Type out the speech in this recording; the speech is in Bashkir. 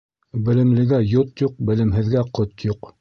Белемлегә йот юҡ, белемһеҙгә ҡот юҡ.